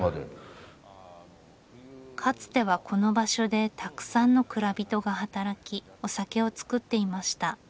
かつてはこの場所でたくさんの蔵人が働きお酒を造っていました。